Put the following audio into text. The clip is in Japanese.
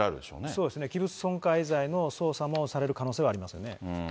そうですね、器物損壊罪も捜査もされる可能性はありますよね。